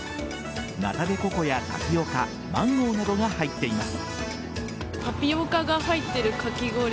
ナタデココやタピオカマンゴーなどが入っています。